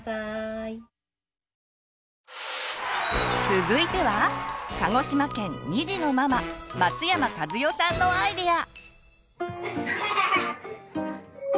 続いては鹿児島県２児のママ松山和代さんのアイデア！